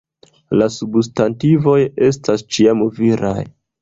La substantivoj estas ĉiam viraj.